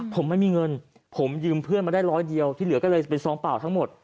ผมไม่มีเงินผมยืมเพื่อนมาได้ร้อยเดียวที่เหลือก็เลยเป็นซองเปล่าทั้งหมด